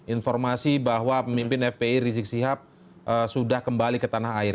informasi bahwa pemimpin fpi rizik sihab sudah kembali ke tanah air